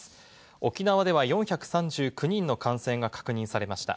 沖縄では４３９人の感染が確認されました。